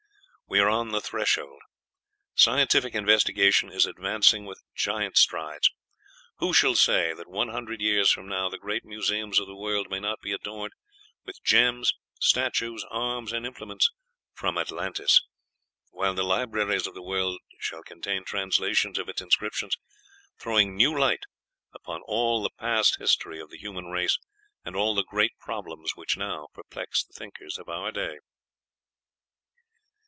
We are on the threshold. Scientific investigation is advancing with giant strides. Who shall say that one hundred years from now the great museums of the world may not be adorned with gems, statues, arms, and implements from Atlantis, while the libraries of the world shall contain translations of its inscriptions, throwing new light upon all the past history of the human race, and all the great problems which now perplex the thinkers of our day?